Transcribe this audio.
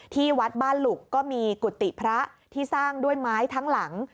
ที่วัดบ้านหลุกก็มีกุฏิพระที่สร้างด้วยไม้ทั้งหลัง